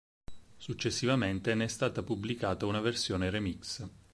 Successivamente ne è stata pubblicata una versione remix.